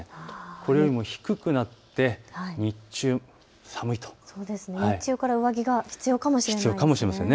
これよりも低くなって日中寒いと日中から上着が必要かもしれませんね。